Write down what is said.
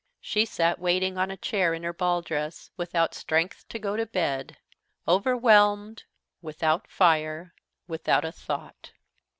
She sat waiting on a chair in her ball dress, without strength to go to bed, overwhelmed, without fire, without a thought.